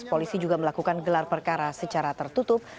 polisi juga melakukan gelar perkara secara tertutup